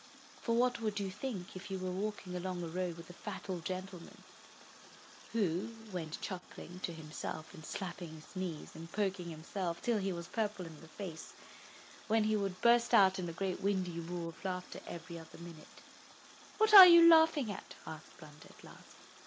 For what would you think, if you were walking along a road with a fat old gentlemen, who went chuckling to himself, and slapping his knees, and poking himself, till he was purple in the face, when he would burst out in a great windy roar of laughter every other minute? 'What are you laughing at?'' asked Blunder, at last.